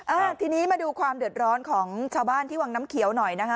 อ่าทีนี้มาดูความเดือดร้อนของชาวบ้านที่วังน้ำเขียวหน่อยนะคะ